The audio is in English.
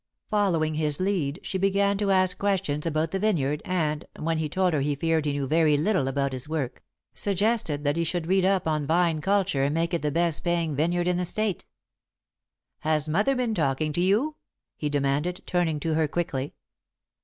Following his lead, she began to ask questions about the vineyard, and, when he told her he feared he knew very little about his work, suggested that he should read up on vine culture and make it the best paying vineyard in the State. [Sidenote: An Afternoon Drive] "Has mother been talking to you?" he demanded, turning to her quickly.